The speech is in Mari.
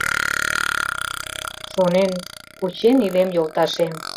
Шонен, кучен илем йолташем.